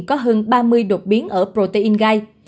có hơn ba mươi đột biến ở protein gai